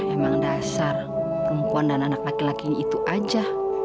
emang dasar perempuan dan anak laki lakinya itu aja